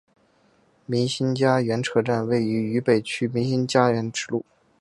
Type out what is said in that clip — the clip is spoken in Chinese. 民心佳园车站位于渝北区民心佳园支路。